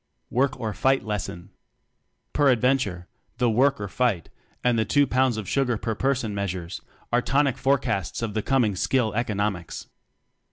"Work or Fight" Lesson. Peradventure, the "Work or Fight" and the "2 pounds of sugar per per son" measures are tonic foretastes of the coming Skill Economics.